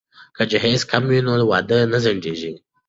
که جهیز کم وي نو واده نه ځنډیږي.